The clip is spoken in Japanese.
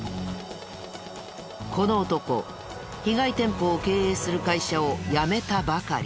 この男被害店舗を経営する会社を辞めたばかり。